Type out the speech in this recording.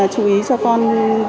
chú ý cho con